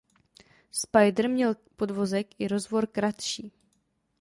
Spider měl podvozek i rozvor kratší.